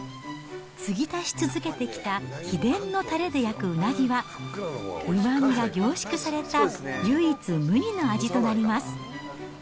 継ぎ足し続けてきた秘伝のたれで焼くうなぎは、うまみが凝縮された唯一無二の味となります。